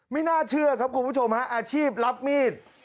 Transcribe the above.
ไม่น่าเชื่อครับคุณผู้ชมฮะอาชีพรับมีด